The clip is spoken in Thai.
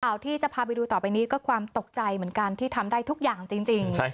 ข่าวที่จะพาไปดูต่อไปนี้ก็ความตกใจเหมือนกันที่ทำได้ทุกอย่างจริง